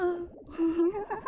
ウフフフ